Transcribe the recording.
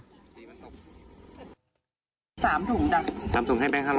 ๓ถุงให้แบงค์๕๐๐มา